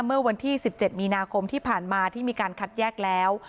เมื่อวันที่๑๗มีนาคมที่ผ่านมาที่มีการคัดแยกแล้ว